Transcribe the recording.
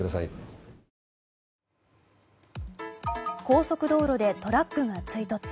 高速道路でトラックが追突。